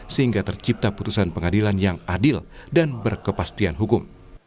sehingga tercipta putusan pengadilan yang adil dan berkepastian hukum